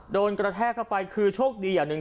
กระแทกเข้าไปคือโชคดีอย่างหนึ่ง